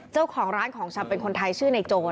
เจ้าของร้านของชำเป็นคนไทยชื่อในโจร